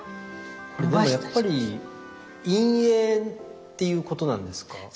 これでもやっぱり陰影っていうことなんですか？